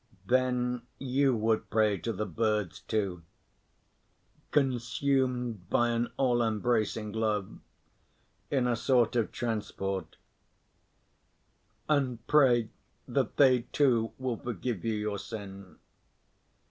Then you would pray to the birds too, consumed by an all‐embracing love, in a sort of transport, and pray that they too will forgive you your sin.